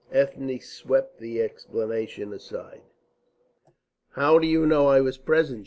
Ethne swept the explanation aside. "How do you know that I was present?"